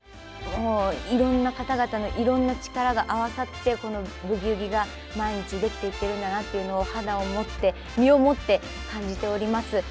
いろんな方々のいろんな力が合わさって、このブギウギが毎日できていってるんだなっていうのを肌をもって、身をもって感じております。